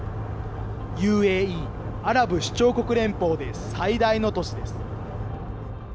ＵＡＥ・アラブ首長国連邦で最大の都市です。